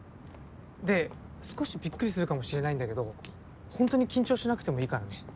で少しびっくりするかもしれないんだけどホントに緊張しなくてもいいからね。